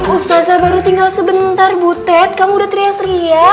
ustazah baru tinggal sebentar butet kamu udah teriak teriak